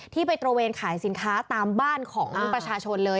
ไปตระเวนขายสินค้าตามบ้านของประชาชนเลย